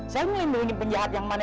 saya ngelindungi penjahat yang mana